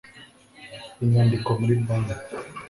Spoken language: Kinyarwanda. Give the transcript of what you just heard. inyandiko muri banki